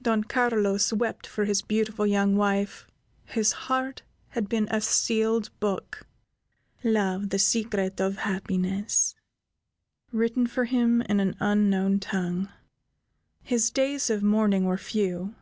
Don Carlos wept for his beautiful young wife, whose heart had been a sealed book, "Love, the Secret of Happiness," written for him in an unknown tongue. His days of mourning were few.